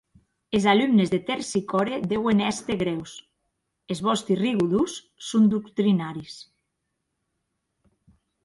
Es alumnes de Tersicore deuen èster grèus, es vòsti rigodons son doctrinaris.